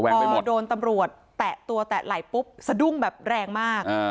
พอโดนตำรวจแตะตัวแตะไหล่ปุ๊บสะดุ้งแบบแรงมาก